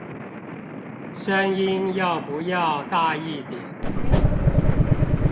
聲音要不要大一點